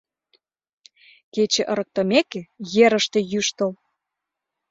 Кече ырыктымеке, ерыште йӱштыл.